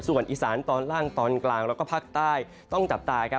ส่วนอีสานตอนล่างตอนกลางแล้วก็ภาคใต้ต้องจับตาครับ